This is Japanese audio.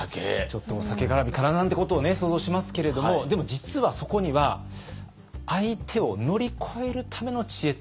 ちょっとお酒がらみかななんてことを想像しますけれどもでも実はそこには相手を乗り越えるための知恵っていうのがあったんです。